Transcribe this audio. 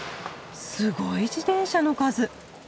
すごい自転車の数！